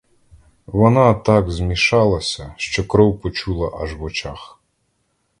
Вона так змішалася, що кров почула аж в очах.